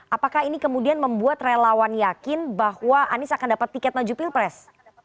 apakah ini kemudian membuat relawan yakin bahwa anies akan dapat tiket maju pilpres